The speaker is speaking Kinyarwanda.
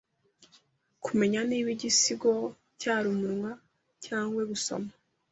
kumenya niba igisigo cyari umunwacyangwa gusoma